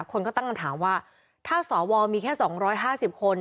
คนก็ตั้งคำถามว่าถ้าสวมีแค่๒๕๐คน